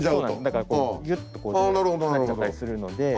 だからこうギュッとこうなっちゃったりするので。